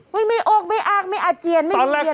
ไม่มีโอกไม่อากไม่อาเจียนไม่มีเบียนอะไรหรือคะ